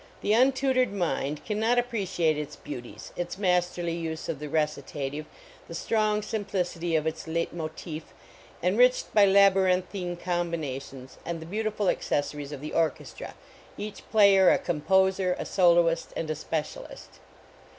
The untutored mind can not appreciate its beauties, its masterly use of __ the recitative, the strong sim plicity of its "leitmotif," enriched by laby rinthine combinations and the beautiful accessories of the orchestra, each player a composer, a soloist and a specialist.